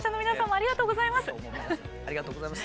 ありがとうございます。